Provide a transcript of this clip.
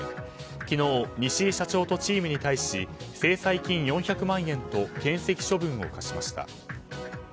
昨日、西井社長とチームに対し制裁金４００万円とけん責処分を科しました。